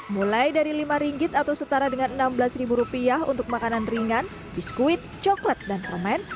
mulai dari lima ringgit atau setara dengan enam belas untuk makanan ringan biskuit coklat dan permen